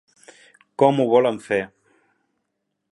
Com ho volen fer?